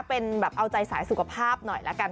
เป็นแบบเอาใจสายสุขภาพหน่อยละกัน